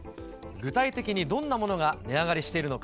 具体的にどんなものが値上がりしているのか。